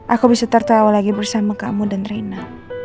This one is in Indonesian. aku bisa tertawa lagi bersama kamu dan reina